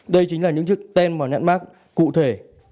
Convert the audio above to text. đây chính là những chiếc tem vào nhãn mắt cụ thể